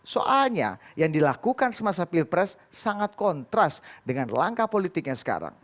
soalnya yang dilakukan semasa pilpres sangat kontras dengan langkah politiknya sekarang